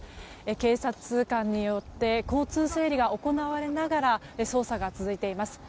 警察官によって交通整理が行われながら捜査が続いています。